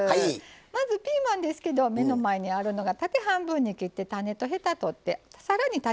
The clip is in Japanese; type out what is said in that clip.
まず、ピーマンですけど目の前にあるのが縦半分切って種とヘタを取ったもの